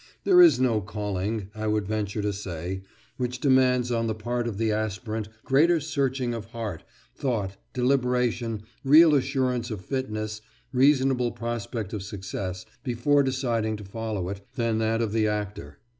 There is no calling, I would venture to say, which demands on the part of the aspirant greater searching of heart, thought, deliberation, real assurance of fitness, reasonable prospect of success before deciding to follow it, than that of the actor.